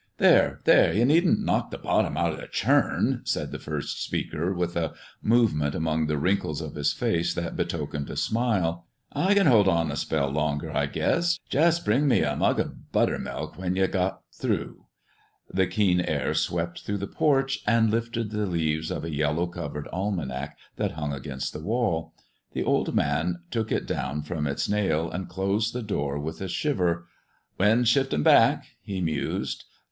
"There! there! ye needn't knock the bottom out'n the churn," said the first speaker, with a movement among the wrinkles of his face that betokened a smile. "I c'n hold on a spell longer, I guess. Jest bring me in a mug o' the buttermilk when ye've got threw." The keen air swept through the porch and lifted the leaves of a yellow covered almanac that hung against the wall. The old man took it down from its nail, and closed the door with a shiver. "Wind's shiftin' back," he mused.